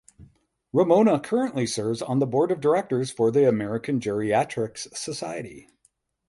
Ramona currently serves on the board of directors for the American Geriatrics Society.